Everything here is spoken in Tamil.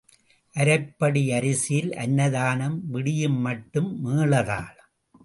அரைப்படி அரிசியில் அன்னதானம் விடியும் மட்டும் மேளதாளம்.